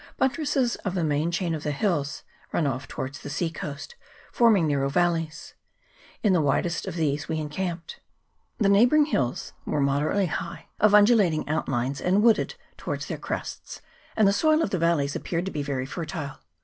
Buttresses of the main chain of the hills run off towards the sea coast, forming nar row valleys. In the widest of these we encamped. The neighbouring hills were moderately high, of undulating outlines, and wooded towards their crests, and the soil of the valleys appeared to be very fertile.